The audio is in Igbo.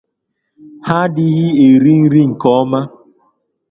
ha adịghị eri nri nke ọma